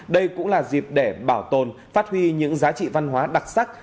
đây cũng là dịp để bảo tồn phát huy những giá trị văn hóa đặc sắc